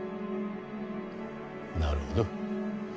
なるほど。